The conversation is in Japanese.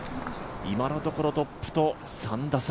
今のところトップと３打差。